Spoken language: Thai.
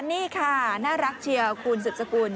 นี่ค่ะน่ารักเชียวคุณสุดสกุล